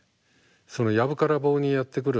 その藪から棒にやって来る